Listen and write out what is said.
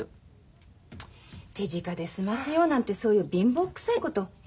手近で済ませようなんてそういう貧乏くさいことやめなさいよ。